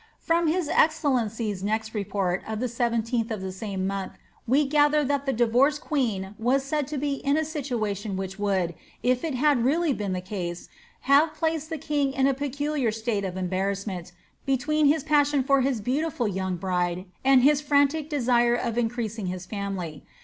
From his excellency's next report of the 17th of the same month, we gather that the divorced queen was said to be in a situation which would, if it h&d been really the case, have placed the king in a peculiar state of embar^ rassment, between his passion for his beautiful young bride, and his frantic desire of increasing his family.